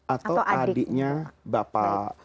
atau adiknya bapak